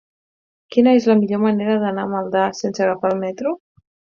Quina és la millor manera d'anar a Maldà sense agafar el metro?